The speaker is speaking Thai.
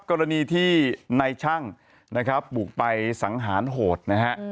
กรณีที่นายช่างปลูกไปสังหารโหดนะฮะ